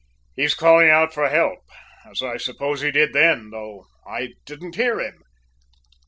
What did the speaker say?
"He's calling out for help, as I suppose he did then, though I didn't hear him!"